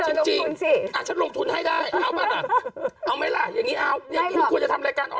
ถังงานให้นอาจพูดอีกจากแรกแล้ว